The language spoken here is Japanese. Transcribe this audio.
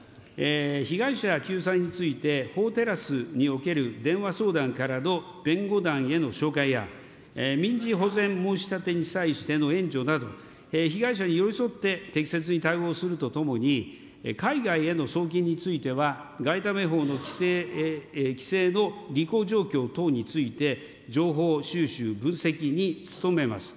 被害者救済について、法テラスにおける電話相談からの弁護団への紹介や、民事保全申し立てに際しての援助など、被害者に寄り添って適切に対応するとともに、海外への送金については、外為法の規制の履行状況等について、情報収集、分析に努めます。